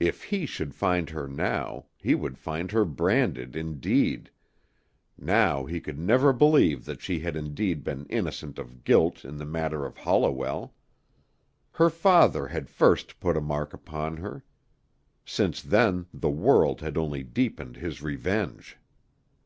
If he should find her now, he would find her branded, indeed now he could never believe that she had indeed been innocent of guilt in the matter of Holliwell. Her father had first put a mark upon her. Since then the world had only deepened his revenge.